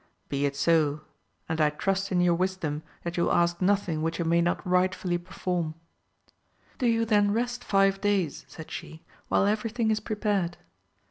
— ^Be it so : and I trust in your wisdom that you will ask nothing which I may not rightfully perform. Do you then rest five days, said she, while everything is prepared.